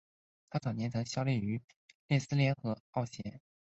他早期曾效力列斯联和奥咸。